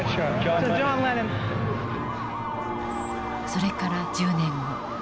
それから１０年後。